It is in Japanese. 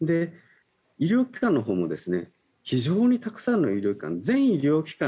医療機関のほうも非常にたくさんの医療機関